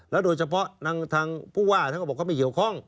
โดยเฉพาะทางผู้ว่าท่านก็บอกเขาไม่เกี่ยวข้อง